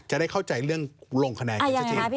จะได้เข้าใจเรื่องลงคะแนนกันสักที